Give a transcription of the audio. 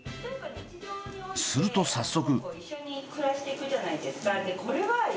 すると早速。